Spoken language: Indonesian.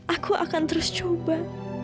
aku akan terus coba